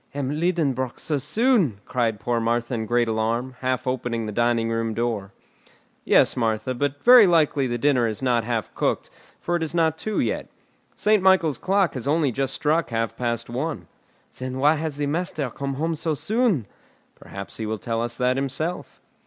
"M. Liedenbrock so soon!" cried poor Martha in great alarm, half opening the dining room door. "Yes, Martha; but very likely the dinner is not half cooked, for it is not two yet. Saint Michael's clock has only just struck half past one." "Then why has the master come home so soon?" "Perhaps he will tell us that himself."